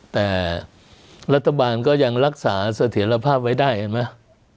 แต่รัฐบาลก็ยังรักษาเสถียรภาพไว้ได้เห็นไหม